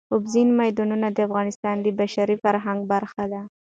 اوبزین معدنونه د افغانستان د بشري فرهنګ برخه ده.